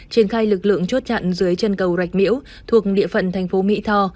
triển khai lực lượng chốt chặn dưới chân cầu rạch miễu thuộc địa phận thành phố mỹ tho